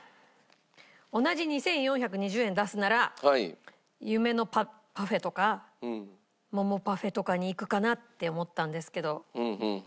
同じ２４２０円出すなら夢のパフェとか桃パフェとかにいくかなって思ったんですけど。